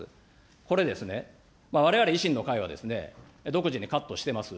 これですね、われわれ維新の会は、独自にカットしてます。